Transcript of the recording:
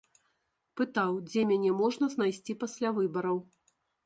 Пытаў, дзе мяне можна знайсці пасля выбараў.